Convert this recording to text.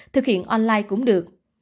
thực hiện online cũng được